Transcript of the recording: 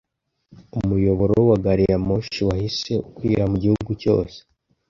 Umuyoboro wa gari ya moshi wahise ukwira mu gihugu cyose.